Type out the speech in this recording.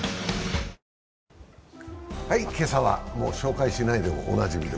今朝は、もう紹介しないでもおなじみ。